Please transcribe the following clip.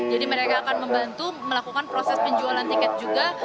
jadi mereka akan membantu melakukan proses penjualan tiket juga